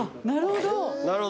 なるほど。